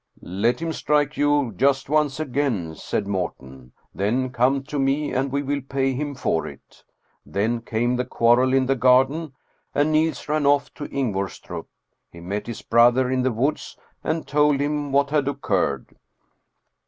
" Let him strike you just once again," said Mor ten. " Then come to me, and we will pay him for it." Then came the quarrel in the garden, and Niels ran off to Ingvorstrup. He met his brother in the woods and told him what had occurred.